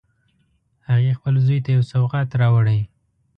هغې خپل زوی ته یو سوغات راوړی